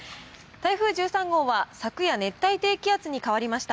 台風１３号は、昨夜、熱帯低気圧に変わりました。